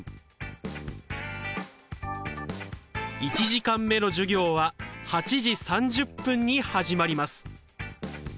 １時間目の授業は８時３０分に始まります。